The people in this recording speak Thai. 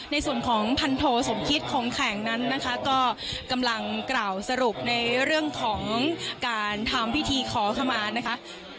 ในส่วนของพันโทสมคิตของแข็งนั้นนะคะก็กำลังกล่าวสรุปในเรื่องของการทำพิธีขอขมานะคะ